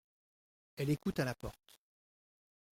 Elle écoute à la porte. «…